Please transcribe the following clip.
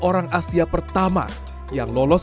orang asia pertama yang lolos